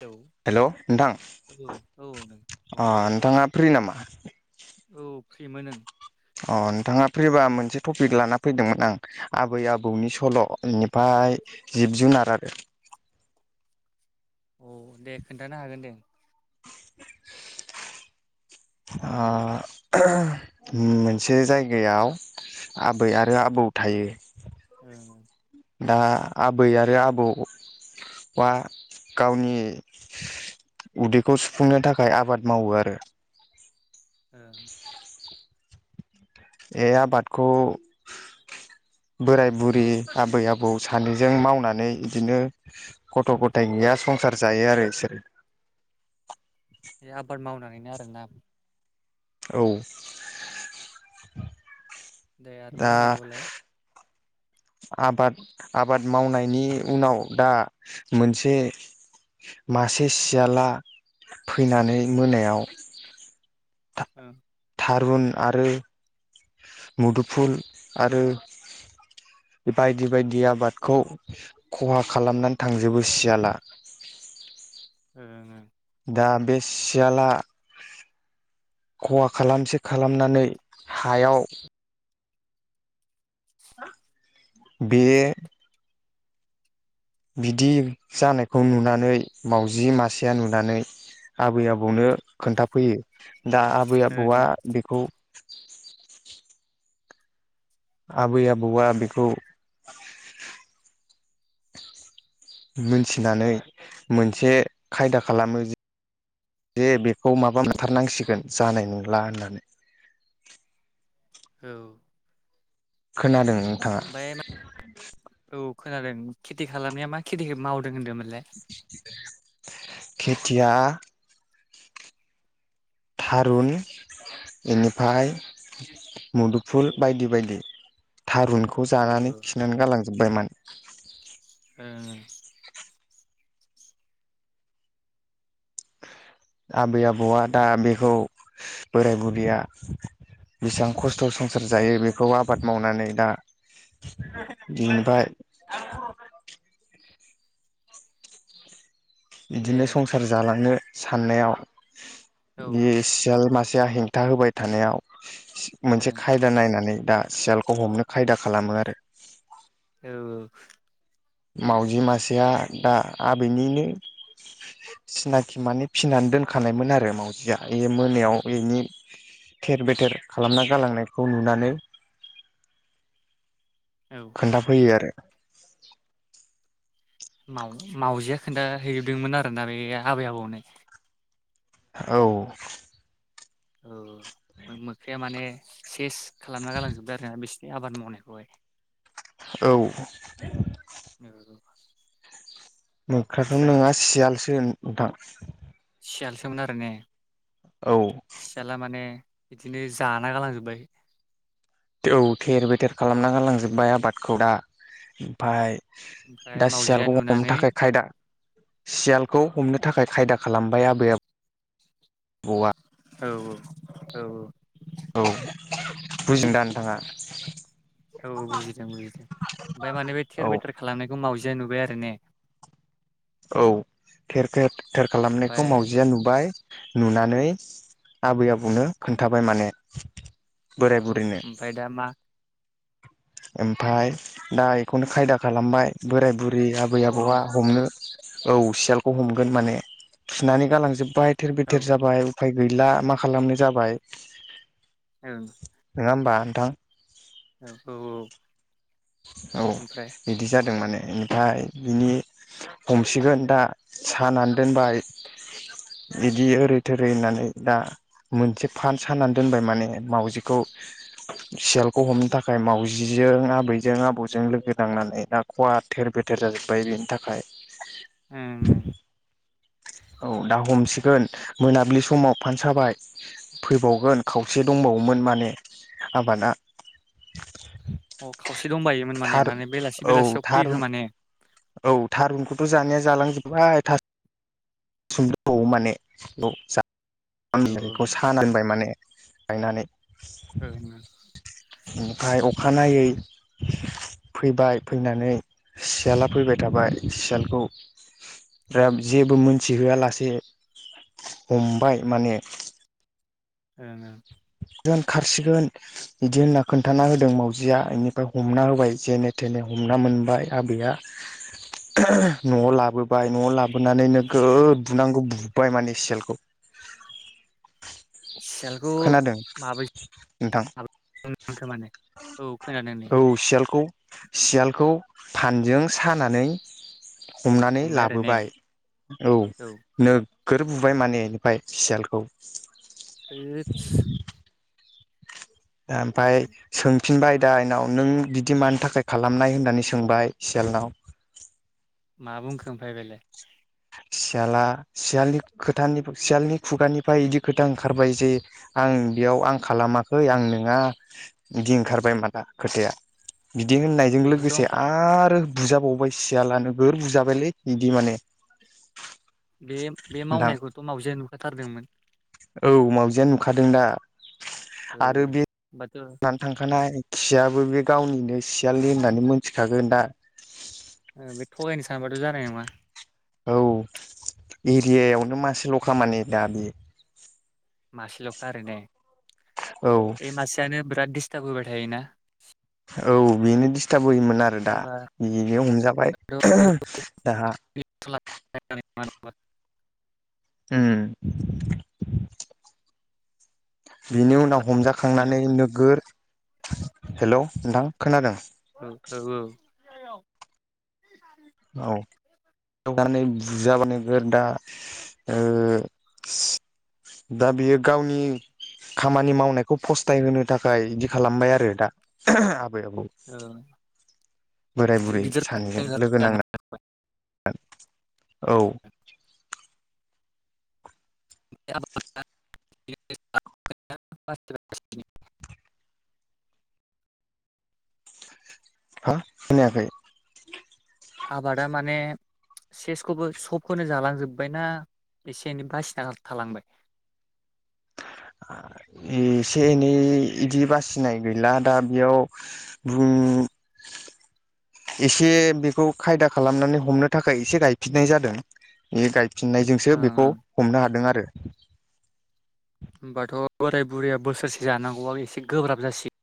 Hello hello नोंथां औ औ नों बुं अ नोंथाङा फ्रि नामा? औ फ्रिमोन ओं। अ नोंथाङा फिबा मोनसे टपिक लाना फैदोंमोन आं आबै आबौनि सल' नुफाय जिब जुनार आरो औ दे खोन्थानो हागोन दे। आ आह मोनसे जायगायाव आबै आरो आबौ औ थायो ओं ओं। दा आबै आरो आबौ आ गावनि उदैखौ सुफुंनो थाखाय आबाद मावो आरो। ओह। बे आबादखौ बोराय बुरि आबै आबौ सानैजों मावनानै बिदिनो गथ'गथायनि या संसार जायो आरो बिसोरो बे आबाद मावनानैनो आरोना औ। दे आरो दा बुंलांबावलाय आबाद आबाद मावनायनि उनाव दा मोनसे मासे सियाला फैनानै मोनायाव ओं थारुन आरो मुदुफुल आरो बायदि बायदि आबादखौ खहा खालामनानै थांजोबो सियाला [inaudible] ए ओं ओं। दा बे सियाला खहा खालामसे खालामनानै हायाव बो बिदि जानायखौ नुनानै मावउजि मासेया नुनानै आबै ओं आबौनो खोन्थाफैयो दा आबै आबौआ औ बेखौ आबै आबौआ बेखौ मोनथिनानै मोनसे खायदा खालामो जि जे बेखौ माबा मोनथारनांसिगोन जानाय नंला होननानै। औ। खोनादों नोंथाङा ओमफ्राय मा औ खोनादों खेथि खालामनाया मा खेथि मावदों होनदोंमोन? खेथिया थारुन बेनिफ्राय मुदुफुल बायदि बायदि थारुन बेखौ औ जानानै खिनानै गालांजोबबायमोन ए ओं ओं। आबै आबौआ दा बेखौ बोराय बुरैया बिसां खस्थ' संसार जायो बेखौ आबाद मावनानै दा बिनिफाय दे बिदिनो संसार जालांनो साननायाव औ ओं बे सियाल मासे साया हेंथा होबाय थानायाव औ मोनसे खायदा नायनानै दा सियालखौ हमनो खायदा खालामो आरो औ मावजि मासेया दा आबैनिनो सिनाखि माने फिसिनानै दोनखानायमोन आरो माउजिया बे मोनायाव बेनि थेर बेथेर खालामना गालांनायखौ नुनानै औ खोन्थाफैयो आरो माव मावजिया खोन्थााहैदोंमोन आरोना बे आबै आबौनो औ औ मोख्राया माने सेस खालामना गालांजोबदों आरोना बेसि आबाद मावनायखौहाय औ औ मोख्राथ ओमफ्राय नङा सियालसो नोंथां सियालसोमोन आरो ने, औ सियाला माने बिदिनो जाना गालांजोबबाय औ थेर बेथेर खालामना गालांजोबबाय आबादखौ दा ओमफाय ओमफ्राय दा मावजिया सियालखौ हमनो नुनानै थाखाय खायदा सियालखौ हमनो थाखाय खायदा खालामबाय आबैबौ आबौआ औ औ औ औ औ बुजिदोंदा नोंथाङा औ बुजिदों बुजिदों ओमफाय माने बे औ थेर बेथेर खालामनायखौ मावजि जे नुबाय आरोने औ थेर बेथेर खालामनायखौ ओमफ्राय मावजिया नुबाय नुनानै आबै आबौनो खोन्थाबाय माने बोराय औ बुरैनो ओमफ्राय दा मा ओमफाय दा बेखौनो खायदा खालामबाय बोराय बुरि आबै औ ओं आबौआ हमनो औ सियालखौ हमगोन माने खिनानै गालांजोब्बाय थेर औ बेथेर जाबाय उफाय गैला मा खालामनो जाबाय ओं नङा होमबा नोंथां? औ औ‌‌ औ औ बिदि जादों माने ओमफ्राय बिनि हमसिगोन दा सानानै दोनबाय बिदि ओरै थोरै होननानै दा मोनसे फान सानानै दोनबाय माने मावाउजिखौ सियालखौ हमनो थाखाय मावजिजों आबै जों आबौजों लोगो नांनानै दा खहा थेर बेथेर जाजोब्बाय बेनि थाखाय ओं औ दाहमसै ोन मोनाब्लि समाव फानसाबाय फैबावगोन खावसे दंबावोमोन माने आबादा ओं अ खावसे दंबायोमोन माने थार माने बेलासि औ बेलासियाव फैयो थारुन खोमाने औ थारुनखौथ जानाया जालांजोबबाय थास सुंदआव औ मानेखौ सानानबाय माने गायनानै ओं ओं ओमफ्राय अखानायै फैबाय फैनानै सियाला फैबाय थाबाय सियालखौ दा जेबो मोनथिहोआ लासे हमबाय माने ओं ओं हगोन खारसिगोन बिदि होनना खोन्थाना होदों मावजिया बेनिफ्राय हमना होबाय जेने थेने हम हमना मोनबाय आबै नआव लाबो नआव लाबो गुनानै नो गोद बुनांगौ बुबाय माने सेलखौ सियालखौ खोनादों नोंथां? खो मानो औ खोनादों नै। औ सियालखौ सियालखौ फानजों सानानै हमनानै हमबाय आरो ने लाबोबाय औ नो गोर बुबाय माने बेनिफ्राय सियालखौ। थैदस ओमफाय सोंफिनबाय दा एनाव। नों बिदि मानि थाखाय खालामनाय होननानै सोंबाय सियालनाव। मा बुंखो आमफाय बेलाय? सियाला सियालनि खोथानि सियालनि खुगानिफ्राय बिदि खोथा ओंखारबाय जे आं आं बेयाव आं खालामाखै आं नोङा इदि ओंखारबाय माला खोथाया। बिदि होननायजों लोगोसे बेखौथ' आ रो बुजाबावबाय सियाला नोगोर बुजाबायलै बिदि माने बे बे नोंथां मावनाय खौथ' मावजाया नुखा थारदोंमोन। औ मावजियानो नुखादों दा। ओ बाद नानै थांखानाय खियाबो बे गावनिनो सियालनि होननानै मोनथि खागोन दा। बे थगायनो सानबाथ' जानाय नङा। औ एरिया यावनो मासेल' खा मानि दा बे। मासेल'खा आरो औ ने मासेयानो बिराद दिस्टार्ब होबाय थायोना। औ बेनो दिडिस्टार्ब होयोमोन आरो दा होमबा बिनो [unintelligible] हमजाबाय दा ए [inaudible] होम। बिनि उनाव हमजा खांनानै नोगोर हेल' नोंथां खोनादों? ओ औ औ। औ नानै बुजानानै नोगोर दा ओ दा बियो गावनि खामानि मावनायखौ फस्थाय होनो थाखाय बिदि खालामबाय आरो दा। माब [unintelligible] औ बोराय बुरै गिदिर सानैजों लोगो नांना औ [unintelligible] [unintelligible] [inaudible] हो खोनायाखै। आबादा माने सेसखौबो सबखौनो जालां जोबबाय ना एसे एनै बासिना थालांबाय? आ ए से एनै बिदि बासिनाय गैला दा बेयाव बुं [inaudible] एसे बेखौ खायदा खालामनानै हमनो थाखाय एसे गाय फिननाय जादों बे गाय फिननाय जोंसो ओ बेखौ ओ हमनो हादों आरो। होमबाथ' बोराय बुरैया बोसोरसे जानांगौ आ एसे गोब्राब जासिग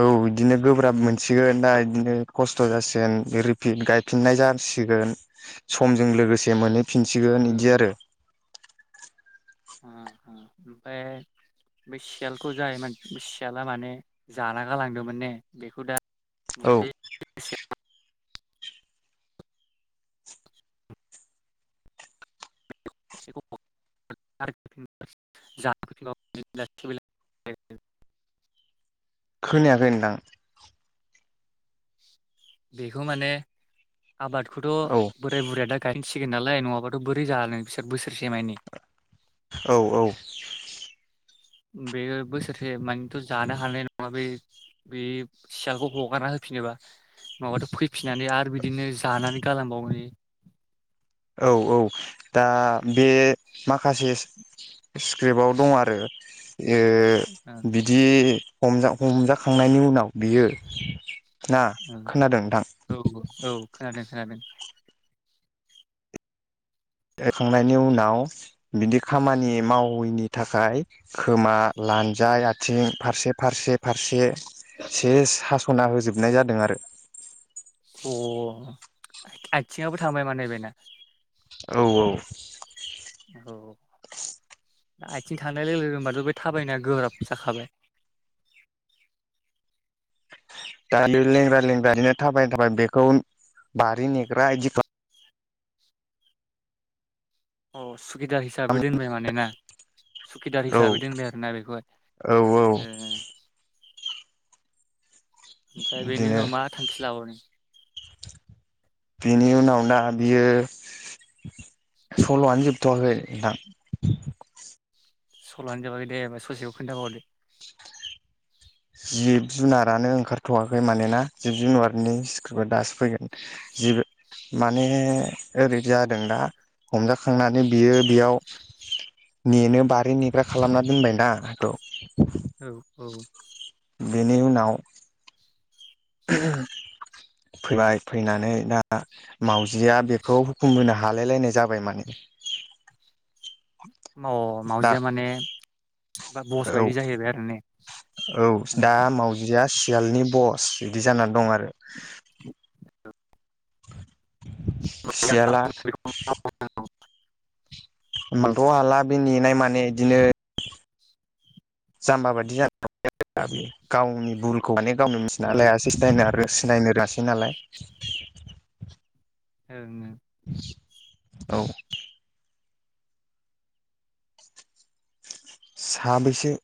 औ बिदिनो गोब्राब मोनसिगोन दा इदिनो खस्थ' जासिगोन रिपिद गायफिननाय जा सिगोन समजों लोगोसे मोन फिनसिगोन जासिगोन इदि आरो। ओमफ्राय बे सियालखौ जाय बे सियाला माने जाना गालां दोंमोन ने बेखौ दा औ [unintelligible] [unintelligible] [unintelligible] जा [unintelligible] खोनायाखै नोंथां। बेखौ माने औ आबादखौथ' बोराय बुरैया दा गायनोसै सिगोन नालाय नङाबाथ' बोरै जानो बिसोर बोसोरसे मानि। औ औ। बे बोसोरसे मानिथ' जानो हानाय नङा बे बे सियालखौ हगारना हो फैफिनोबा माबाथ' फैफिननानै आरो बिदिनो जानानै गालांबावो औ औ दा बे माखासे स्क्रिप्टआव दं आरो गालांबावगोन बिदि हमजा-हमजाखांनायनि उनाव बियो ना औ खोनादों नोंथां औ औ खोनादों खोनादों। एखांनायनि उनाव बिदि खामानि मावैनि थाखाय खोमा, लानजाय, आथिं फारसे फारसे फारसे सेस हास'ना होजोबनाय जादों आरो। अ आथिङाबो थांबाय माने बेना? औ औ। औ। आथिं थांनाय लोगो लोगो होमबाथ' बे थाबायनाया गोब्राब जाखाबाय। [inaudible] दा बे लेंग्रा लेंग्रा बिनो थाबाय थाबाय बेखौ बारि नेग्रा इदि बा अ सुखिदार हिसाबै दोनबाय मानोना सुखिदार औ औ हिसाबै दोनबाय आरोना बेखौहाय। औ ओह। ओमफ्राय बेनि उनाव मा थांखि लाबावनो बेनि उनाव दा बियो। सल'आनो जोबथ'वाखै नोंथां। सल'आनो जोबाखै दे होबा ससेखौ खिन्थाबावदो। जिब जुनारानो ओंखारथ'वाखै मानोना जिब जुनारनि सिख्रिबो दासो फैगोन। जिबो माने ओरै जादों दा हमजाखांनानै बियो बेयाव नेनो बारि नेग्रा खालामना दोनबाय नाथ औ औ बेनि उनाव फैबाय फैनानै दा मावजिया बेखौ हुखुमबोनो हालायलायनाय जाबाय माने [inaudible] माव दा मावजिया माने बा बस औ बायदि जाहैबाय आरो ने? औ दा मावजिया सियालनि बस बिदि जानानै दं आरो। [inaudible] सियाला [inaudible] मोनथ' हाला बे नेनाय माने बिदिनो जाम्बा बादि जानानै गावनि भुलखौ माने गावनो मिथिना लाया ओं सेस्था आरो सिनायनो रासै नालाय औ। औ। साबैसे